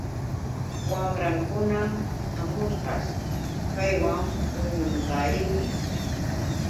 Wamrankuna hamunqash kaywan puñunqariki.